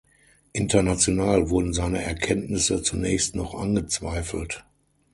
International wurden seine Erkenntnisse zunächst noch angezweifelt.